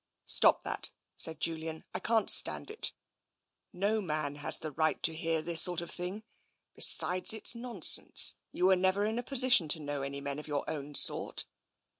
" Stop that," said Julian. '* I can't stand it. No man has any right to hear this sort of thing. Besides, it's nonsense. You were never in a position to know any men of your own sort."